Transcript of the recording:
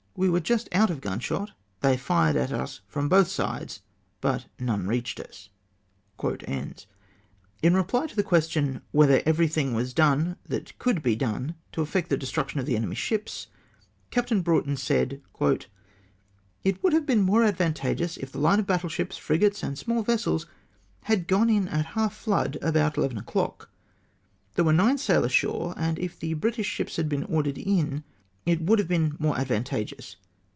We were just out of gimshot, — thei/ fired at us from both sides, but none reached ns." Li reply to the question, " whether everything was done that could be done to effect the destruction of the enemy's ships ?" Captain Broughton said :— "It would have been more advantageous if the line of batde ships, frigates, and small vessels had gone in at half flood, about 11 o'clock. There were nine sail ashore, and if the British ships had been ordered in, it would have been more advantageous.